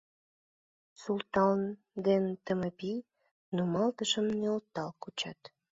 Султан ден Тымапи нумалтышым нӧлтал кучат.